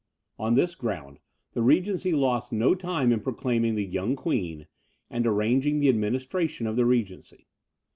On this ground, the regency lost no time in proclaiming the young queen, and arranging the administration of the regency.